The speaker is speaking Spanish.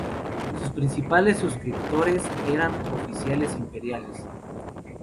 Sus principales suscriptores eran oficiales imperiales.